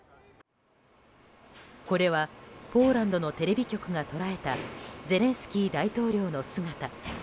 これはポーランドのテレビ局が捉えたゼレンスキー大統領の姿。